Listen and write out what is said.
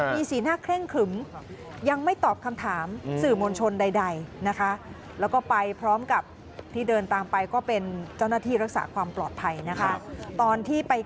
มีสีหน้าเคร่งขึมยังไม่ตอบคำถามสื่อมวลชนใดนะคะ